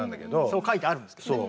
そう書いてあるんですけどね。